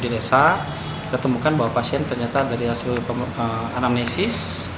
ditemukan bahwa pasien ternyata dari hasil anamnesis